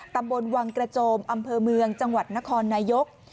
ตำบลวังกระโจมอำเภอเมืองจังหวัดนครนายก